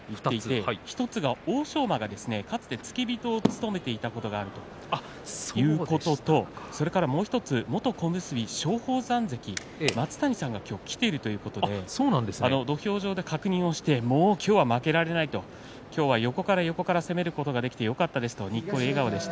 １つは欧勝馬がかつて付け人を務めていたことがあるということとそれと、もう１つ元小結松鳳山関松谷さんが今日、来ているということで土俵上で確認をしてもう今日は負けられないと今日は横から横から攻めることができてよかったですとにっこり笑顔でした。